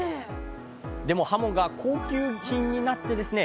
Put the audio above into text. でもはもが高級品になってですね